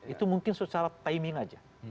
itu mungkin secara timing saja